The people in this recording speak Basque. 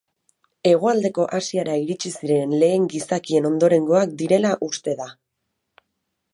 Hegoaldeko Asiara iritsi ziren lehen gizakien ondorengoak direla uste da.